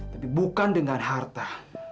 tapi bukan dengan harta